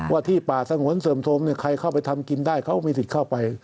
ว่าที่ปาส่งหวัญส่งสมใครเข้าไปทำกินได้เขามีศิษภ์เข้าไป